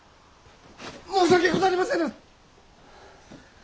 申し訳ござりませぬ！